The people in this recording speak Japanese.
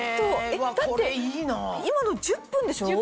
だって今の１０分でしょ？